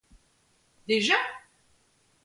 Déjà ?